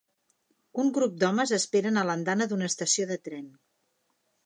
Un grup d'homes esperen a l'andana d'una estació de tren.